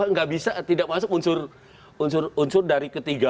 nggak bisa tidak masuk unsur dari ketiga